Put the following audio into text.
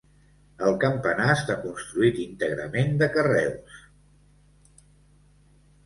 El campanar està construït íntegrament de carreus.